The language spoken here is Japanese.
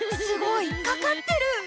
すごいかかってる。